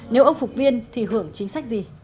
nếu ông phục viên thì hưởng chính sách gì